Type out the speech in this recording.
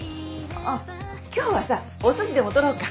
今日はさおすしでも取ろうか。